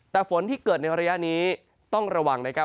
แต่ฝนที่เกิดในระยะนี้ต้องระวังนะครับ